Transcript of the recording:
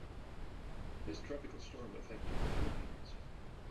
This Tropical Storm affected the Philippines.